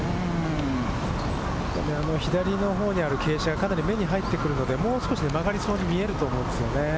左の方にある傾斜が、かなり目に入ってくるので、もう少し曲がりそうに見えると思うんですよね。